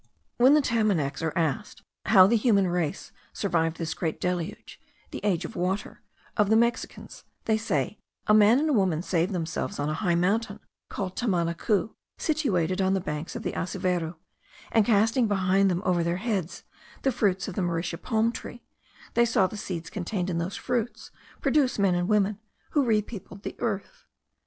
When the Tamanacs are asked how the human race survived this great deluge, the age of water, of the Mexicans, they say, a man and a woman saved themselves on a high mountain, called Tamanacu, situated on the banks of the Asiveru; and casting behind them, over their heads, the fruits of the mauritia palm tree, they saw the seeds contained in those fruits produce men and women, who repeopled the earth.